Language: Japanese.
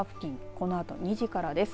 このあと２時からです。